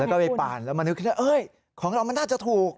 แล้วก็ไปปั่นแล้วมานึกขึ้นว่าเอ้ยของเรามันน่าจะถูก